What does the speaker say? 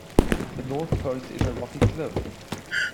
The north coast is a rocky cliff.